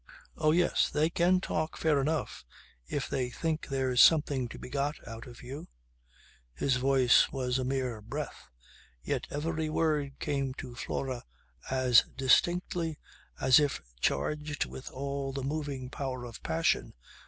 Oh yes, they can talk fair enough if they think there's something to be got out of you ..." His voice was a mere breath yet every word came to Flora as distinctly as if charged with all the moving power of passion